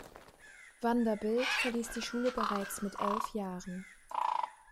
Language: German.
Vanderbilt verließ die Schule bereits mit elf Jahren.